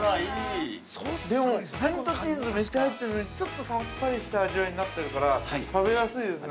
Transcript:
でも、カニとチーズめっちゃ入ってるのにちょっとさっぱりした味わいになってるから、食べやすいですね。